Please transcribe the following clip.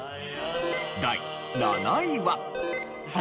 第７位は。